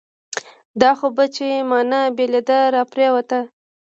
دا خو بهٔ چې مانه بېلېده راپرېوته